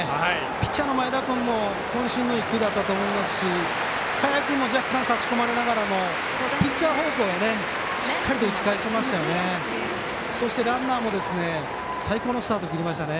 ピッチャーの前田君もこん身の一球だったと思いますし賀谷君も若干差し込まれながらもピッチャー方向へしっかり打ち返しましたよね。